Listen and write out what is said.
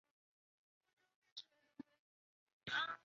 不得再设置障碍